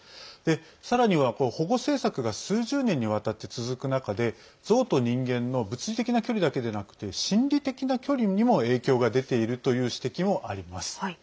さらには保護政策が数十年にわたって続く中でゾウと人間の物理的な距離だけでなくて心理的な距離にも、影響が出ているという指摘もあります。